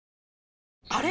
あれ？